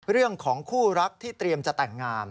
เรื่องของคู่รักที่เตรียมจะแต่งงาน